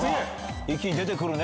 一気に出て来るね。